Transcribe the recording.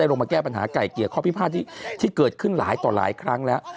ลงมาแก้ปัญหาไก่เกลี่ยข้อพิพาทที่เกิดขึ้นหลายต่อหลายครั้งแล้ว